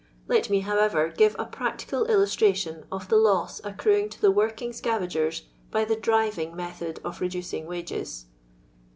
Let me, however, give a practical illustration of the lou accruing to the working scavagers by the driving method of reducing wages.